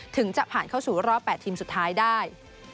จะผ่านเข้าสู่รอบ๘ทีมสุดท้ายได้